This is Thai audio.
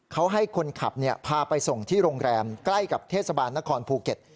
เขาให้คนขับพาไปส่งที่โรงแรมใกล้กับเทศบาลนครภูเก็ต